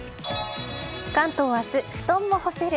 関東明日、布団も干せる。